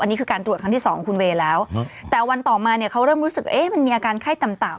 อันนี้คือการตรวจที่๒ของคุณเวร้าแต่วันต่อมาเขาเริ่มรู้สึกมีอาการไข้ต่ำ